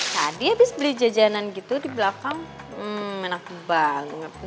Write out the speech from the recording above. tadi abis beli jajanan gitu di belakang enak banget